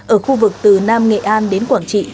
ở khu vực từ nam nghệ an đến quảng trị